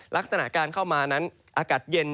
ลักษณะการเข้ามานั้น